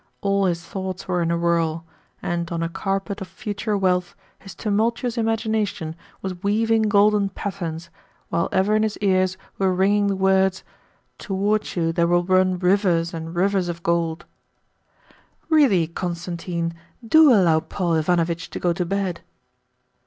All his thoughts were in a whirl, and on a carpet of future wealth his tumultuous imagination was weaving golden patterns, while ever in his ears were ringing the words, "towards you there will run rivers and rivers of gold." "Really, Constantine, DO allow Paul Ivanovitch to go to bed."